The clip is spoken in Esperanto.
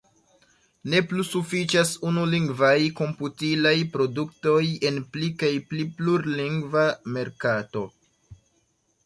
Ne plu sufiĉas unulingvaj komputilaj produktoj en pli kaj pli plurlingva merkato.